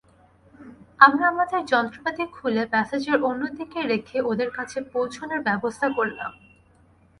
আমরা আমাদের যন্ত্রপাতি খুলে প্যাসেজের অন্য দিকে রেখে ওদের কাছে পৌঁছানোর ব্যাবস্থা করলাম।